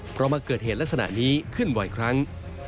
เพราะมาเกิดเหตุลักษณะนี้ขึ้นบ่อยครั้ง